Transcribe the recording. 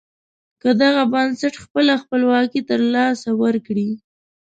که دغه بنسټ خپله خپلواکي له لاسه ورکړي.